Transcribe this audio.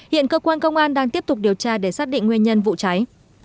hiện cơ quan công an đang tiếp tục điều tra để xác định nguyên nhân vụ cháy